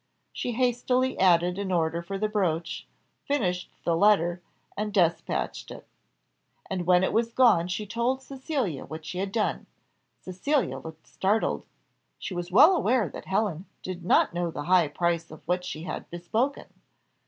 She hastily added an order for the brooch, finished the letter, and despatched it. And when it was gone she told Cecilia what she had done. Cecilia looked startled; she was well aware that Helen did not know the high price of what she had bespoken.